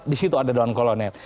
disitu ada doaan kolonel